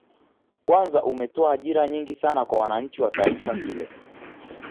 Kwanza umetoa ajira nyingi sana kwa wananchi wa taifa hilo